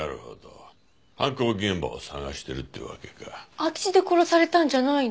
空き地で殺されたんじゃないの？